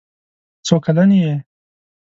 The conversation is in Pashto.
څو کلن یې؟